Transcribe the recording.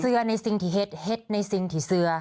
เสื้อในสิ่งที่ฮัดเฮ็ดในสิ่งที่เสื้อ